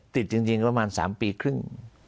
ติดจริงประมาณ๓ปีครึ่ง